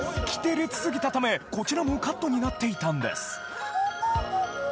きてれつすぎたため、こちらもカットになっていたんです。